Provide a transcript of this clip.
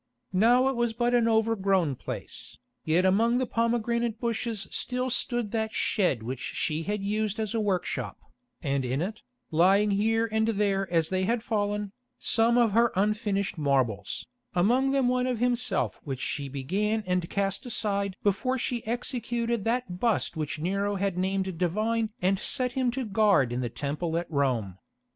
Now it was but an overgrown place, yet among the pomegranate bushes still stood that shed which she had used as a workshop, and in it, lying here and there as they had fallen, some of her unfinished marbles, among them one of himself which she began and cast aside before she executed that bust which Nero had named divine and set him to guard in the Temple at Rome.